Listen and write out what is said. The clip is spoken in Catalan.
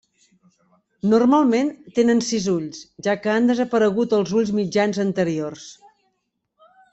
Normalment tenen sis ulls, ja que han desaparegut els ulls mitjans anteriors.